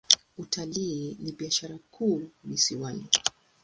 Utalii ni biashara kuu visiwani.